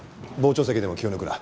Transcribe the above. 傍聴席でも気を抜くな。